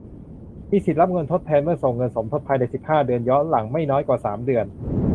มีสิทธิ์รับเงินทดแทนเมื่อส่งเงินสมทบภายใน สิบห้า เดือน ย้อนหลัง ไม่น้อยกว่า สาม เดือน